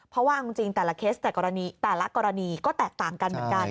เพราะว่าเอาจริงแต่ละเคสแต่ละกรณีก็แตกต่างกันเหมือนกัน